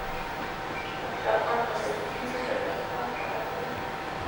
دخوشحال خان خټک زوی صدرخان خټک دﺉ.